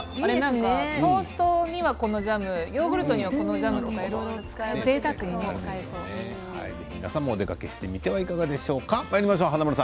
トーストにはこのジャムヨーグルトにはこのジャムって皆さんもお出かけしてみてはいかがでしょうか。